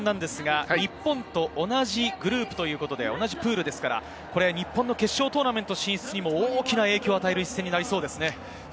きょうの一戦は、日本と同じグループということで、日本の決勝トーナメント進出にも大きな影響を与える一戦になりそうですね。